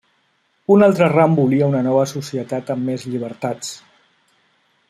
Un altre ram volia una nova societat amb més llibertats.